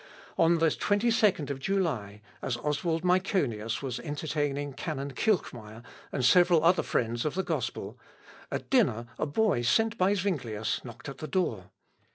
On the 22nd July, as Oswald Myconius was entertaining canon Kilchmeyer, and several other friends of the gospel, at dinner, a boy, sent by Zuinglius, knocked at the door.